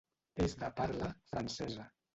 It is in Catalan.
És de parla francesa.